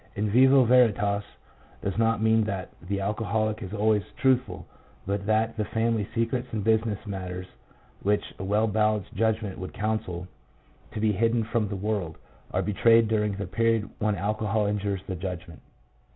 "In vino Veritas" does not mean that the alcoholic is always truthful, but that the family secrets and business matters which a well balanced judgment would counsel to be hidden from the world, are betrayed during the period when alcohol injures the judgment.